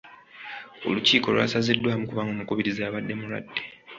Olukiiko lwasazidwamu kubanga omukubiriza yabadde mulwadde.